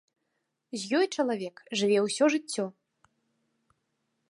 З ёй чалавек жыве ўсё жыццё.